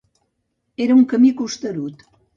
Era un camí costerut.